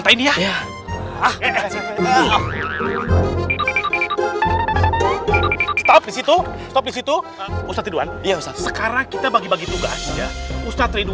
setahut disitu posting itu europe net doa nih sekarang kita bagi bagi quiya treto